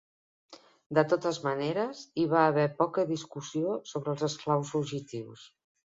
De totes maneres, hi va haver poca discussió sobre els esclaus fugitius.